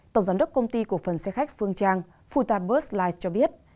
tổng giám đốc công ty cộng phần xe khách phương trang phu tạp bus lines cho biết